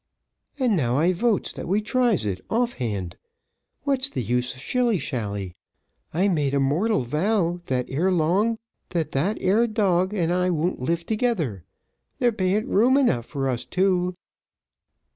"And now I votes that we tries it off hand; what's the use of shilly shally? I made a mortal vow that that 'ere dog and I won't live together there ban't room enough for us two."